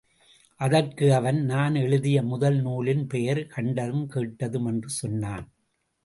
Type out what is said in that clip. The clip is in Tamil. அதற்கு அவன்— நான் எழுதிய முதல் நூலின் பெயர்— கண்டதும் கேட்டதும் —என்று சொன்னான்.